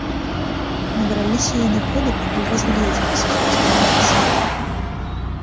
Набраліся яны пуду, пакуль разгледзеліся, што здарылася.